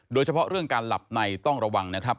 โดยเฉพาะเรื่องการหลับในต้องระวังนะครับ